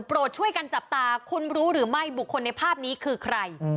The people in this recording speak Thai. ช่วยกันจับตาคุณรู้หรือไม่บุคคลในภาพนี้คือใคร